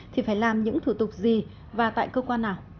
thì phải làm những thủ tục gì và tại cơ quan nào